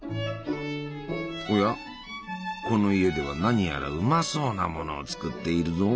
おやこの家では何やらうまそうなものを作っているぞ。